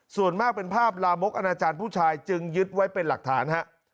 ส่วนมากเป็นภาพลามกอนาจารย์ผู้ชายจึงยึดไว้เป็นหลักฐานฮะ